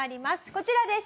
こちらです。